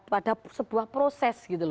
pada sebuah proses